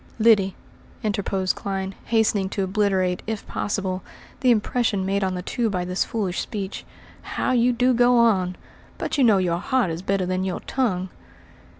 "Lyddy," interposed Clyne, hastening to obliterate, if possible, the impression made on the two men by this foolish speech, "how you do go on. But you know your heart is better than your tongue."